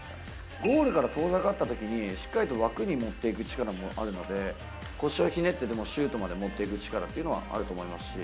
ゴールから遠ざかったときに、しっかりと枠に持っていく力もあるので、腰をひねってでもシュートまで持っていく力っていうのはあると思いますし。